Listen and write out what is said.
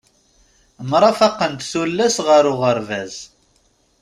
Mrafaqent tullas ɣer uɣerbaz.